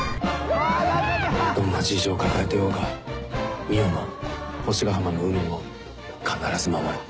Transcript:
どんな事情を抱えてようが海音も星ヶ浜の海も必ず守る。